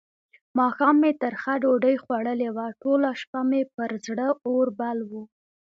ماښام مې ترخه ډوډۍ خوړلې وه؛ ټوله شپه مې پر زړه اور بل وو.